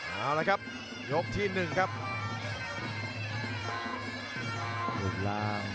เอาละครับยกที่หนึ่งครับ